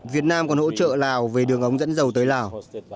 việt nam còn hỗ trợ lào về đường ống dẫn dầu tới lào